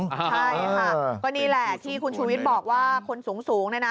ใช่ค่ะก็นี่แหละที่คุณชูวิทย์บอกว่าคนสูงเนี่ยนะ